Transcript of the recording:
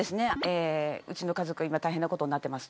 うちの家族が今、大変なことになっています。